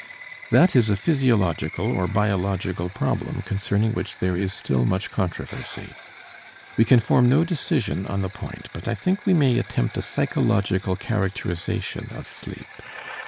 That is a physiological or biological problem concerning which there is still much controversy. We can form no decision on the point, but I think we may attempt a psychological characterization of sleep.